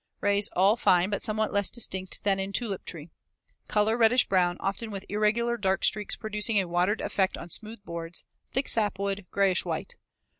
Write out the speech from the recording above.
Rays all fine but somewhat less distinct than in tulip tree. Color reddish brown, often with irregular dark streaks producing a "watered" effect on smooth boards; thick sapwood, grayish white.